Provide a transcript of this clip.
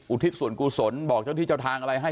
ทิศส่วนกุศลบอกเจ้าที่เจ้าทางอะไรให้